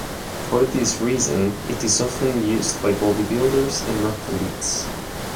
For this reason, it is often used by bodybuilders and athletes.